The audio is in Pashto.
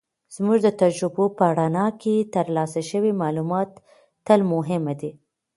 زموږ د تجربو په رڼا کې، ترلاسه شوي معلومات تل مهم دي.